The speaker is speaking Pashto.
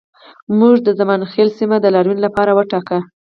موږ د زمانخیل سیمه د لاریون لپاره وټاکه